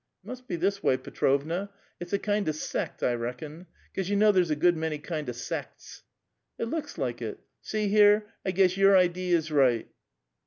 "It must be this way, Petrovna; it's a kind of sect, I reckon, 'cause you know there's a good many kind of sects." " It looks like it. See here ! I guess your idee is right.